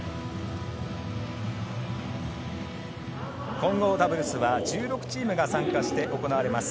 混合ダブルスは１６チームが参加して行われます。